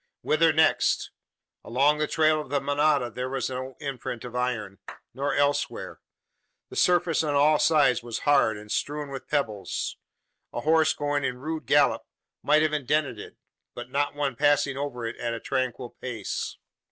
Whither next? Along the trail of the manada, there was no imprint of iron; nor elsewhere! The surface on all sides was hard, and strewn with pebbles. A horse going in rude gallop, might have indented it; but not one passing over it at a tranquil pace.